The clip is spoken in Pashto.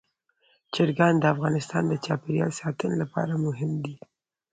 چرګان د افغانستان د چاپیریال ساتنې لپاره مهم دي.